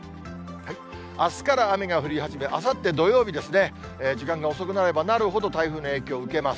あすから雨が降り始め、あさって土曜日ですね、時間が遅くなればなるほど、台風の影響を受けます。